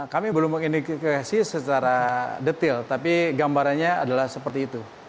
kami belum mengindikasi secara detail tapi gambarannya adalah seperti itu